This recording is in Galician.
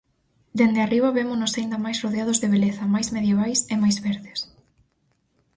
Dende arriba vémonos aínda máis rodeados de beleza, máis medievais e máis verdes.